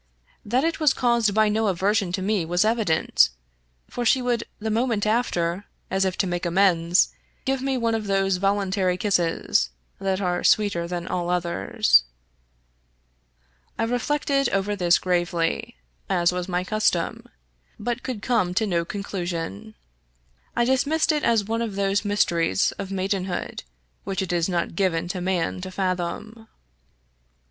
That it was caused by no aversion to me was evident, for she would the moment after, as if to make amends, give me one of those voluntary kisses that are sweeter than all others. I reflected over this gravely, as was my custom, but could come to no conclusion. I dismissed it as one of those mys teries of maidenhood which it is not given to man to fathom.